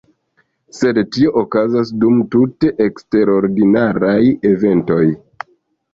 Sed tio okazas dum tute eksterordinaraj eventoj.